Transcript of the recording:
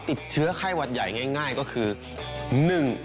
ติดเชื้อไข้หวัดใหญ่ง่ายก็คือ